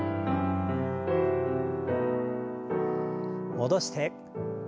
戻して。